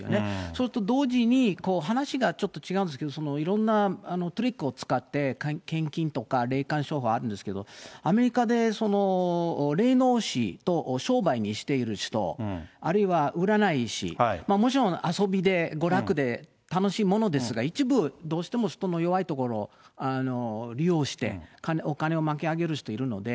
それと同時に、話がちょっと違うんですけど、いろんなトリックを使って、献金とか霊感商法あるんですけど、アメリカで霊能師と商売にしている人、あるいは、占い師、もちろん遊びで、娯楽で楽しいものですが、一部どうしても人の弱いところを利用して、お金を巻き上げる人いるので、